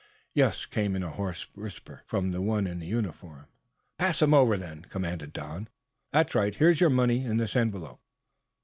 "Yes," came in a hoarse whisper, from the one in uniform. "Pass them over, then," commanded Don. "That's right. Here's your money, in this envelope."